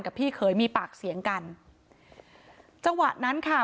พี่เคยมีปากเสียงกันจังหวะนั้นค่ะ